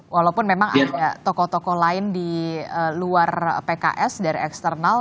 walaupun memang ada tokoh tokoh lain di luar pks dari eksternal